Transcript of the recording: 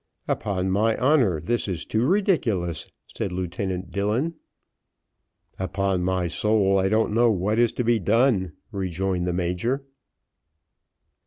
"Upon my honour this is too ridiculous," said Lieutenant Dillon. "Upon my soul I don't know what is to be done," rejoined the major.